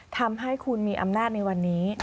ทำให้คุณมีอำนาจในวันนี้